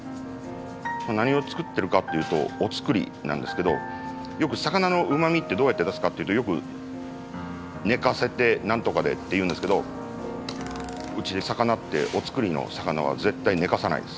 何を作ってるかっていうとお造りなんですけどよく魚のうまみってどうやって出すかっていうとよく寝かせて何とかでっていうんですけどうちで魚ってお造りの魚は絶対寝かさないです。